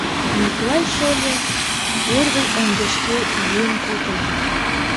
Миклай шольо, первый ынде шке йӱын колтем.